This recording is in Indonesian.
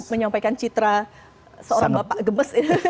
menyampaikan citra seorang bapak gemes